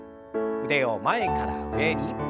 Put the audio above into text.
腕を前から上に。